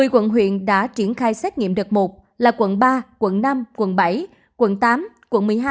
một mươi quận huyện đã triển khai xét nghiệm đợt một là quận ba quận năm quận bảy quận tám quận một mươi hai